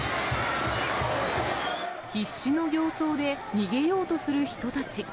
必死の形相で逃げようとする人たち。